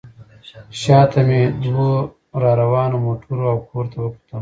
شا ته مې دوو راروانو موټرو او کور ته وکتل.